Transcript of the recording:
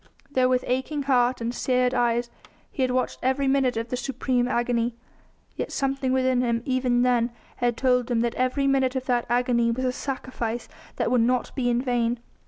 Though with aching heart and seared eyes he had watched every minute of the supreme agony, yet something within him, even then, had told him that every minute of that agony was a sacrifice that would not be in vain.